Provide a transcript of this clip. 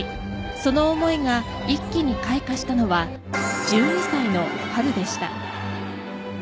その思いが一気に開花したのは１２歳の春でした。